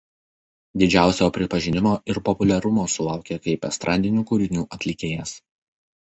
Didžiausio pripažinimo ir populiarumo sulaukė kaip estradinių kūrinių atlikėjas.